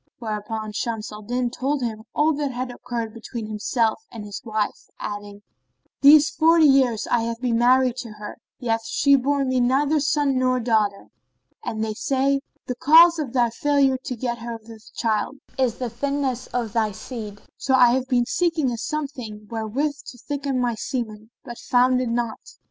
Thereupon Shams al Din told him all that occurred between himself and his wife, adding, "These forty years have I been married to her yet hath she borne me neither son nor daughter; and they say:—The cause of thy failure to get her with child is the thinness of thy seed; so I have been seeking a some thing wherewith to thicken my semen but found it not."